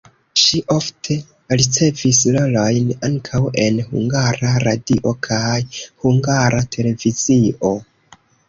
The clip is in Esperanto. Ŝi ofte ricevis rolojn ankaŭ en Hungara Radio kaj Hungara Televizio.